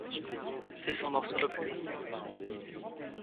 C'est son morceau le plus long.